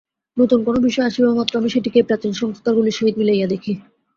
নূতন কোন বিষয় আসিবামাত্র আমি সেটিকেই প্রাচীন সংস্কারগুলির সহিত মিলাইয়া দেখি।